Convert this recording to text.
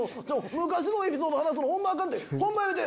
昔のエピソード話すのアカンってホンマやめて！